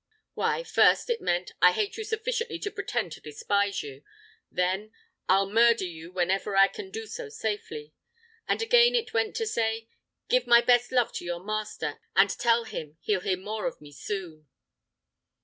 "Why, first, it meant I hate you sufficiently to pretend to despise you. Then I'll murder you whenever I can do so safely; and again it went to say Give my best love to your master, and tell him he'll hear more of me soon."